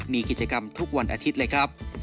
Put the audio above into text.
มีกิจกรรมทุกวันอาทิตย์เลยครับ